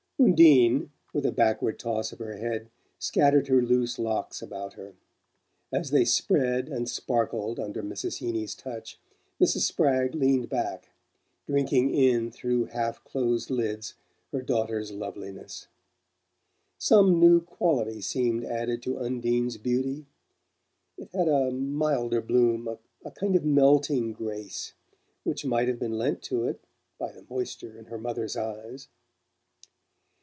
Undine, with a backward toss of her head, scattered her loose locks about her. As they spread and sparkled under Mrs. Heeny's touch, Mrs. Spragg leaned back, drinking in through half closed lids her daughter's loveliness. Some new quality seemed added to Undine's beauty: it had a milder bloom, a kind of melting grace, which might have been lent to it by the moisture in her mother's eyes.